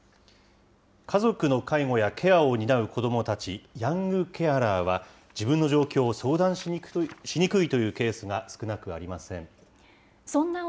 家族の介護やケアを担う子どもたち、ヤングケアラーは、自分の状況を相談しにくいというケースが少なくありません。